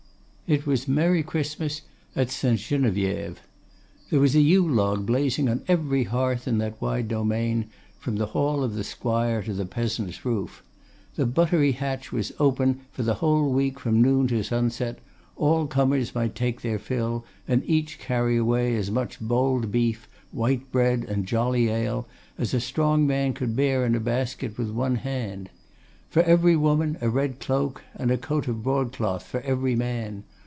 It was merry Christmas at St. Geneviève. There was a yule log blazing on every hearth in that wide domain, from the hall of the squire to the peasant's roof. The Buttery Hatch was open for the whole week from noon to sunset; all comers might take their fill, and each carry away as much bold beef, white bread, and jolly ale as a strong man could bear in a basket with one hand. For every woman a red cloak, and a coat of broadcloth for every man.